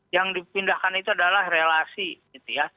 yang dipindahkan itu adalah relasi